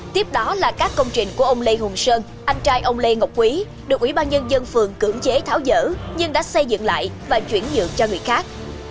tiếp đó là các công trình của ông lê hùng sơn anh trai ông lê ngọc quý được ủy ban nhân dân phường cưỡng chế tháo dở nhưng đã xây dựng lại và chuyển nhượng cho người khác